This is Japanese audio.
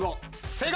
正解。